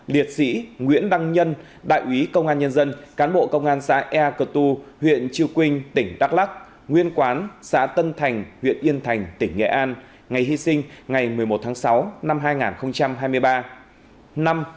bốn liệt sĩ nguyễn đăng nhân đại úy công an nhân dân cán bộ công an xe a tiêu huyện triều quynh tỉnh đắk lắc nguyên quán xã tân thành huyện yên thành tỉnh nghệ an ngày hy sinh ngày một mươi một tháng sáu năm hai nghìn hai mươi ba